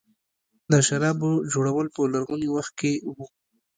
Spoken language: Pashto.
د شرابو جوړول په لرغوني وخت کې وو